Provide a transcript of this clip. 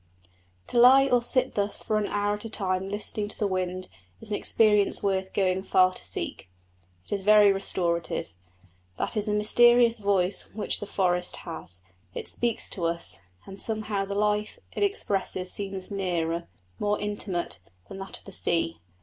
To lie or sit thus for an hour at a time listening to the wind is an experience worth going far to seek. It is very restorative. That is a mysterious voice which the forest has: it speaks to us, and somehow the life it expresses seems nearer, more intimate, than that of the sea.